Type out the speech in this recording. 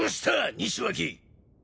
西脇。